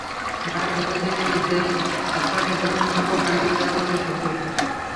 মাঠের ভেতরে থেকেই নিজের হাতটাকে যতটুকু সম্ভব বাড়িয়ে ক্যাচ ধরার চেষ্টা করলেন।